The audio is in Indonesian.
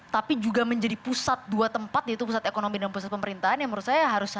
tapi juga menjadi pusat dua tempat yaitu pusat ekonomi dan pusat pemerintahan yang menurut saya harus ada di sini